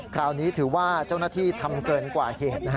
คราวนี้ถือว่าเจ้าหน้าที่ทำเกินกว่าเหตุ